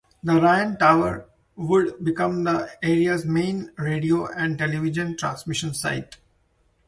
The Ryan Tower would become the area's main radio and television transmission site.